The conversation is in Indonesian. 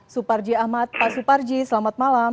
suparji ahmad pak suparji selamat malam